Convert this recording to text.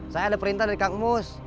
saya ada perintah dari kak emus